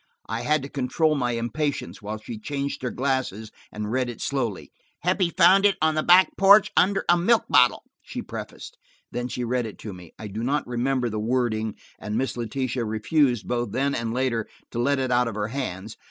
I had to control my impatience while she changed her glasses and read it slowly. "Heppie found it on the back porch, under a milk bottle," she prefaced. Then she read it to me. I do not remember the wording, and Miss Letitia refused, both then and later, to let it out of her hands.